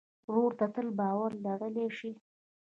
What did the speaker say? ورور ته تل باور لرلی شې.